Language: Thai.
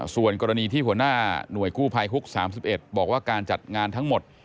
ส่วนกรณีที่หัวหน้าหน่วยกู้ภัยฮุก๓๑บอกว่าการจัดงานทั้งหมด